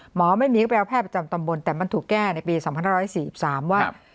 หมอไม่มีก็ไปเอาแพทย์ประจำตำบนแต่มันถูกแก้ในปีสองพันร้อยสี่สามว่า